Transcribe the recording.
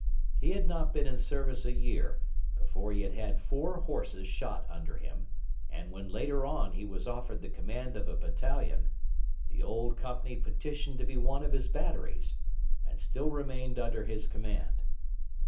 He had not been in service a year before he had had four horses shot under him, and when later on he was offered the command of a battalion, the old company petitioned to be one of his batteries, and still remained under his command.